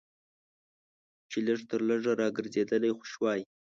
چې لږ تر لږه راګرځېدلی خو شوای.